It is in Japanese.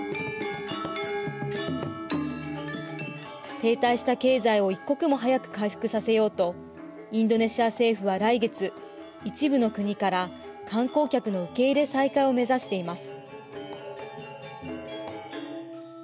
停滞した経済を一刻も早く回復させようとインドネシア政府は来月一部の国から観光客の受け入れ再開を目指しています。